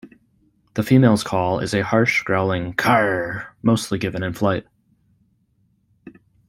The females' call is a harsh, growling "karr", mostly given in flight.